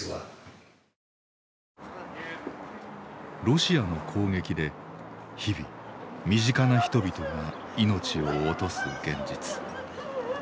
ロシアの攻撃で日々身近な人々が命を落とす現実。